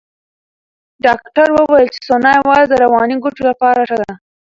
ډاکټره وویل چې سونا یوازې د رواني ګټو لپاره ښه ده.